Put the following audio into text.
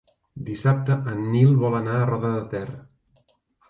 Dissabte en Nil vol anar a Roda de Ter.